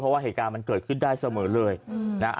เพราะว่าเหตุการณ์มันเกิดขึ้นได้เสมอเลยนะฮะ